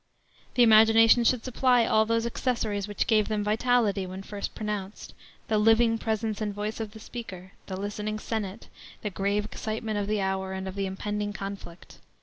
The imagination should supply all those accessories which gave them vitality when first pronounced: the living presence and voice of the speaker; the listening Senate; the grave excitement of the hour and of the impending conflict.